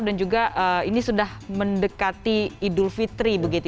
dan juga ini sudah mendekati idul fitri